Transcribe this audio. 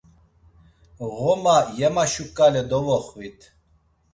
Ğoma yema şuǩale dovoxvit.